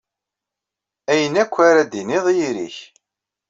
Ayen akk ara d-tiniḍ, i yiri-k.